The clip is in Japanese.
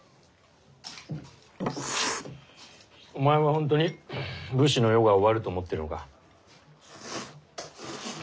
お前は本当に武士の世が終わると思ってるのか。